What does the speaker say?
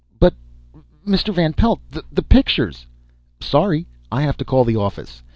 "But Mr. Van Pelt, the pictures " "Sorry. I have to call the office."